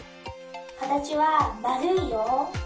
かたちはまるいよ。